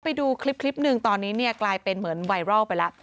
ไปดูคลิปหนึ่งตอนนี้เนี่ยกลายเป็นเหมือนไวรัลไปแล้ว